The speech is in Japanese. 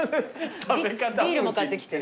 ビールも買ってきて。